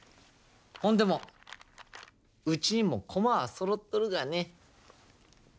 ほんでもうちにも駒はそろっとるがね。